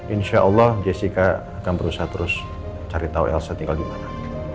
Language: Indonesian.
insya allah jessica akan berusaha terus cari tau elsa tinggal dimana